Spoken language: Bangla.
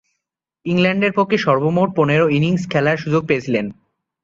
ইংল্যান্ডের পক্ষে সর্বমোট পনের ইনিংস খেলার সুযোগ পেয়েছিলেন।